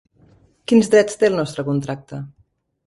Quins drets té el nostre contracte?